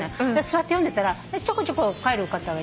座って読んでたらちょこちょこ帰る方が。